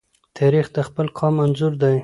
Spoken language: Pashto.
تاریخ د خپل قام انځور دی.